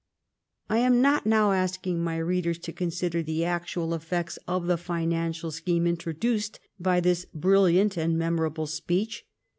I am not now asking my readers to consider the actual effects of the financial scheme introduced by this brilliant and memorable speech.